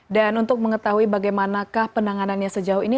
dan untuk mengetahui bagaimanakah penanganannya sejauh ini